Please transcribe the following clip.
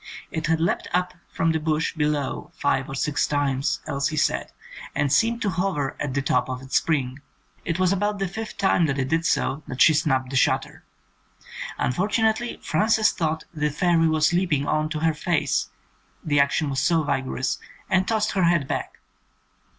It had leapt up from the bush below five or six times, Elsie said, and seemed to hover at the top of its spring. It was about the fifth time that it did so that she snapped the shutter. Unfortunately, Fran ces thought the fairy was leaping on to her face, the action was so vigorous, and tossed her head back.